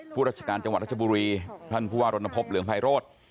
ราชการจังหวัดรัชบุรีท่านผู้ว่ารณพบเหลืองไพโรธ